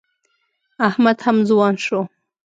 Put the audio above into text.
احمد هم ځوان شو.